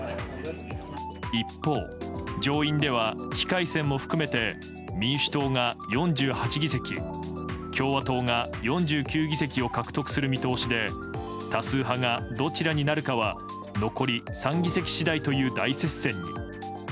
一方、上院では非改選も含めて民主党が４８議席共和党が４９議席を獲得する見通しで多数派がどちらになるかは残り３議席次第という大接戦に。